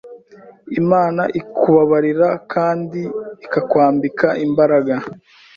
Imana ikubabarira kandi ikakwambika imbaraga